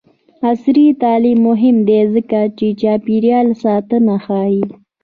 عصري تعلیم مهم دی ځکه چې چاپیریال ساتنه ښيي.